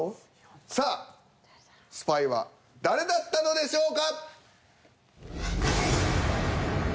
さあスパイは誰だったのでしょうか？